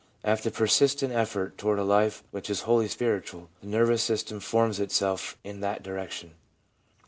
After persistent effort toward a life which is wholly spiritual, the nervous system forms itself in that direction.